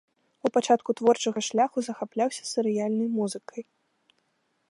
У пачатку творчага шляху захапляўся серыяльнай музыкай.